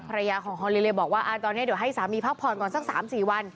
ภรรยาของฮอลลีเลบอกว่าตอนนี้เดี๋ยวให้สามีพักผ่อนก่อนสัก๓๔วัน